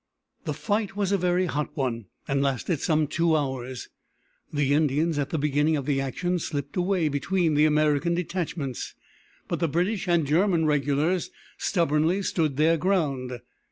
The fight was a very hot one, and lasted some two hours. The Indians, at the beginning of the action, slipped away between the American detachments, but the British and German regulars stubbornly stood their ground.